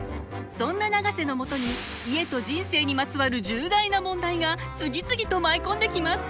そんな永瀬のもとに家と人生にまつわる重大な問題が次々と舞い込んできます。